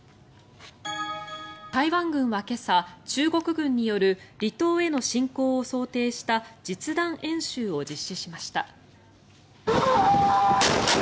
台湾軍は今朝、中国軍による離島への進攻を想定した実弾演習を実施しました。